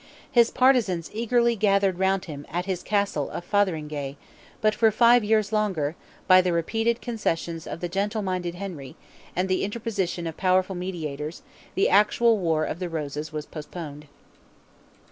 His partizans eagerly gathered round him at his castle of Fotheringay, but for five years longer, by the repeated concessions of the gentle minded Henry, and the interposition of powerful mediators, the actual war of the roses was postponed.